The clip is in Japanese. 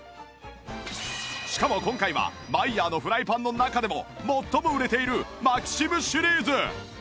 しかも今回はマイヤーのフライパンの中でも最も売れているマキシムシリーズ